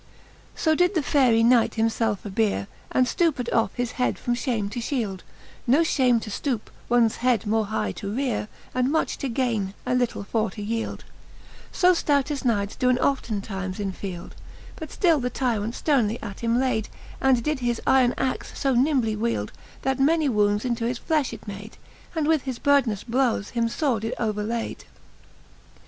So did the Faerie knight him felfe abeare, And ftouped oft his head from Ihame to fhield ; Ko fhame to ftoupe, ones head more high to rears, And much to gaine, a little for to yield ; So ftouteft knights doen oftentimes in field, But ftill the tyrant fternely at him layd, And did his yron axe io nimbly wield, That many wounds into his fiefh it made, And with his burdenous blowes him fore did overlade, XX.